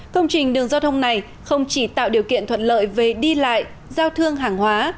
công trình đường giao thông này không chỉ tạo điều kiện thuận lợi về đi lại giao thương hàng hóa